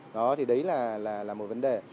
đó thì đấy là một vấn đề